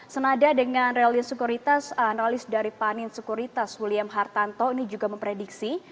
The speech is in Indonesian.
senada dengan reliant securitas analis dari panin securitas william hartanto ini juga memprediksi